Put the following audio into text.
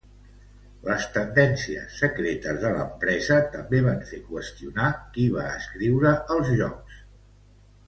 Les tendències secretes de l'empresa també van fer qüestionar qui va escriure els jocs.